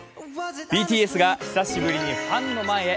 ＢＴＳが久しぶりにファンの前へ。